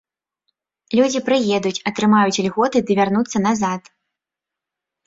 Людзі прыедуць, атрымаюць ільготы ды вярнуцца назад.